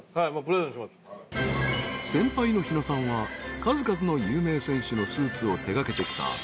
［先輩の日野さんは数々の有名選手のスーツを手掛けてきた］